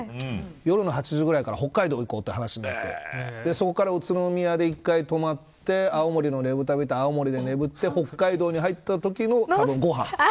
夜の８時ぐらいから北海道行こうって話になってそこから宇都宮で一回とまって青森のねぶたを見て青森で眠って北海道に入ったときのご飯。